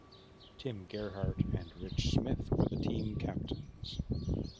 Tim Gerhart and Rich Smith were the team captains.